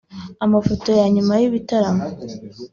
Amafoto ya nyuma y'ibitaramo